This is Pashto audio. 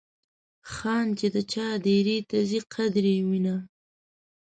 خان چې د چا دیرې ته ځي قدر یې وینه.